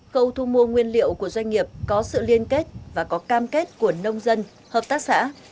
khâu thu mua nguyên liệu của doanh nghiệp có sự liên kết và có cam kết của nông dân hợp tác xã